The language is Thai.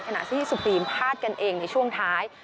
ขณะที่สุกรีมพลาดกันเองในช่วงท้าย